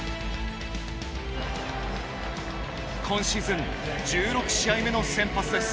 今シーズン１６試合目の先発です。